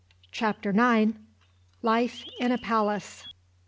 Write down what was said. Chapter 9: Life In A Palace.